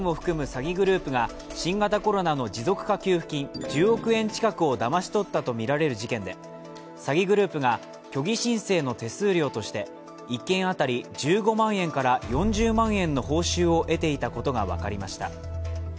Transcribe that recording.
詐欺グループが新型コロナの持続化給付金１０億円近くをだまし取ったとみられる事件で詐欺グループが虚偽申請の手数料として１件当たり１５万円から４０万円の報酬を得ていたことが分かりました。